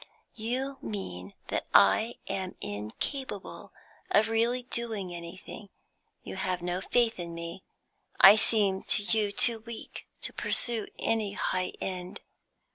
You mean that I am incapable of really doing anything; you have no faith in me. I seem to you too weak to pursue any high end.